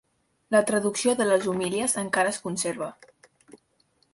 La traducció de les homilies encara es conserva.